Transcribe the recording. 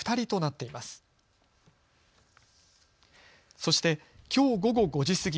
そして、きょう午後５時過ぎ。